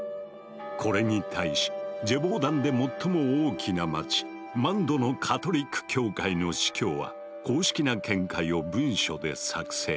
これに対しジェヴォーダンで最も大きな街マンドのカトリック教会の司教は公式な見解を文書で作成。